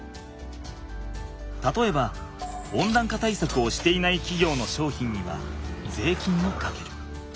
たとえば温暖化対策をしていないきぎょうの商品にはぜいきんをかける。